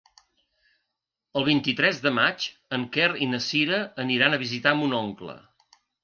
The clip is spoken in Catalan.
El vint-i-tres de maig en Quer i na Cira aniran a visitar mon oncle.